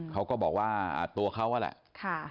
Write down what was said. เขาก็บอกว่าตัวเขานั่นแหละ